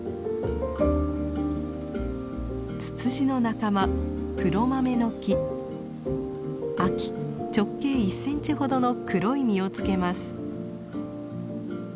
ツツジの仲間秋直径１センチほどの黒い実をつけます。